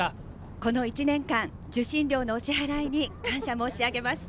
この１年間受信料のお支払いに感謝申し上げます。